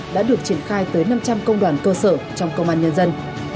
đã được triển khai tới năm trăm linh công đoàn cơ sở trong công an nhân dân